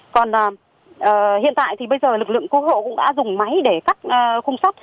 còn hiện tại thì bây giờ lực lượng cứu hộ cũng đã dùng máy để cắt khung sắt